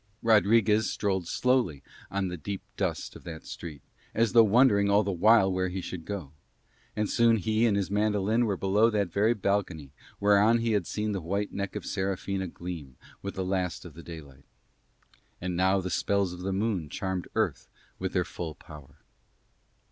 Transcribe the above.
Rodriguez strolled slowly on the deep dust of that street as though wondering all the while where he should go; and soon he and his mandolin were below that very balcony whereon he had seen the white neck of Serafina gleam with the last of the daylight. And now the spells of the moon charmed Earth with their full power.